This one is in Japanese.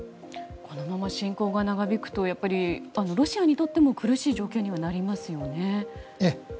このまま侵攻が長引くとロシアにとっても苦しい状況にはなりますよね。